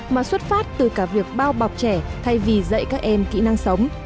mà xuất phát từ cả việc bao bọc trẻ thay vì dạy các em kỹ năng sống